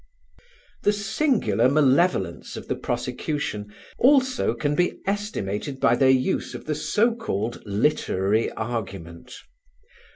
The singular malevolence of the prosecution also can be estimated by their use of the so called "literary argument."